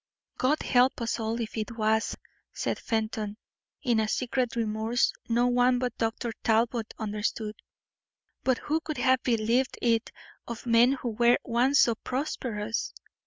"God help us all if it was!" said Fenton, in a secret remorse no one but Dr. Talbot understood. "But who could have believed it of men who were once so prosperous?